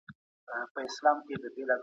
لرغونو خلګو ټولني ته ځانګړی پام کاوه.